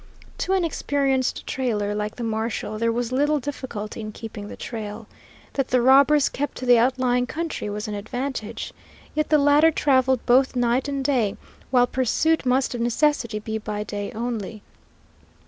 To an experienced trailer like the marshal there was little difficulty in keeping the trail. That the robbers kept to the outlying country was an advantage. Yet the latter traveled both night and day, while pursuit must of necessity be by day only.